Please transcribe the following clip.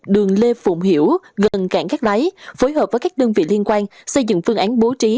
đường lê phụng hiểu gần cảng cát lái phối hợp với các đơn vị liên quan xây dựng phương án bố trí